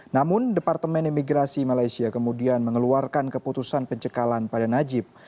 namun departemen imigrasi malaysia kemudian mengeluarkan keputusan pencekalan pada najib